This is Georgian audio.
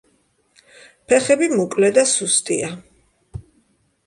ფეხები მოკლე და სუსტია.